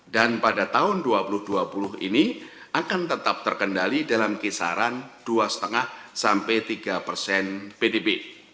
dan pada tahun dua ribu dua puluh ini akan tetap terkendali dalam kisaran dua lima sampai tiga persen pdb